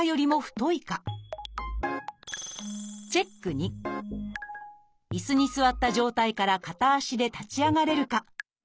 ２椅子に座った状態から片足で立ち上がれるか。